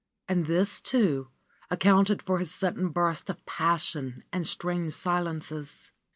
And this, too, accounted for his sudden bursts of passion and strange silences.